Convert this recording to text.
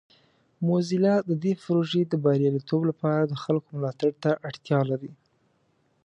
موزیلا د دې پروژې د بریالیتوب لپاره د خلکو ملاتړ ته اړتیا لري.